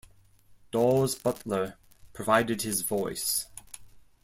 Daws Butler provided his voice.